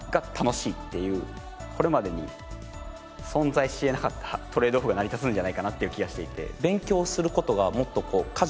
これまでに存在し得なかったトレードオフが成り立つんじゃないかなっていう気がしていて。